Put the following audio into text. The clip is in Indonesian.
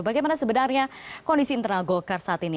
bagaimana sebenarnya kondisi internal golkar saat ini